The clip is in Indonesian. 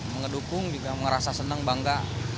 mau ngedukung juga ngerasa seneng bangga